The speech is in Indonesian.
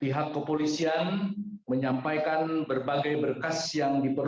pihak kepolisian menyampaikan berbagai berkas yang berlaku di swiss